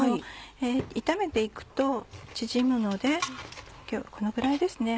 炒めて行くと縮むので今日このぐらいですね。